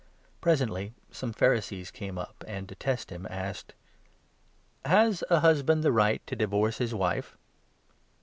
Presently some Phari 2 sees came up and, to test him, asked :" Has a husband the right to divorce his wife